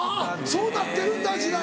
そうなってるんだ時代。